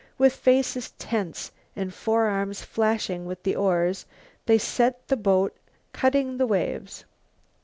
With faces tense and forearms flashing with the oars, they set the boat cutting the waves.